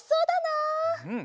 うん。